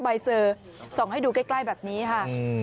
ใบเซอร์ส่องให้ดูใกล้แบบนี้ค่ะ